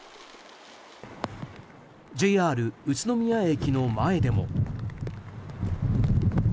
ＪＲ宇都宮駅の前でも。